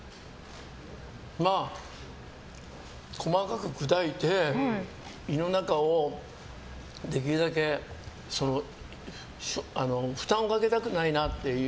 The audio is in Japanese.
まあ、細かく砕いて胃の中をできるだけ負担をかけたくないなっていう。